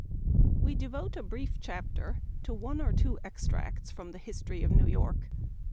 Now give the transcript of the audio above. W 7"E. devote a brief chapter to one or two '* extracts from the " History of New York."